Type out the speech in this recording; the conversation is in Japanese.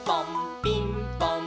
ピンポーン！